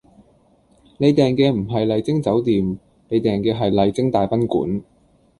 你訂嘅唔係麗晶酒店，你訂嘅係麗晶大賓館